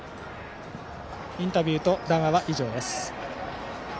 インタビューと談話は以上です。